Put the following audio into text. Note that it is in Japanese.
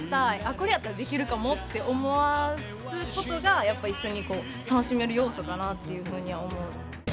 これやったらできるかもって思わすことが一緒に楽しめる要素かなというふうには思う。